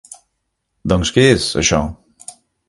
Doncs què és, això?